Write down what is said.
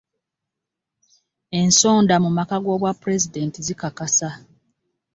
Ensonda mu maka g'obwapulezidenti zikakasa.